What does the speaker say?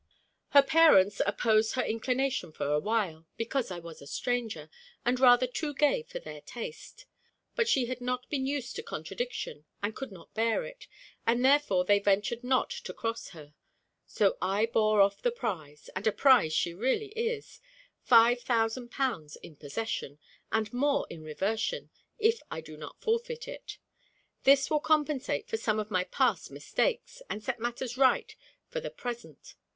Her parents opposed her inclination for a while, because I was a stranger, and rather too gay for their taste. But she had not been used to contradiction, and could not bear it, and therefore they ventured not to cross her. So I bore off the prize; and a prize she really is five thousand pounds in possession, and more in reversion, if I do not forfeit it. This will compensate for some of my past mistakes, and set matters right for the present.